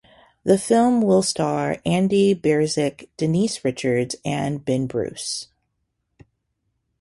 The film will star Andy Biersack, Denise Richards, and Ben Bruce.